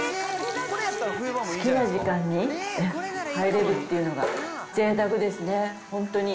好きな時間に入れるっていうのがぜいたくですね、本当に。